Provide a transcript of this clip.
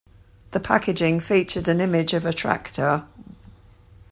The packaging featured an image of a tractor.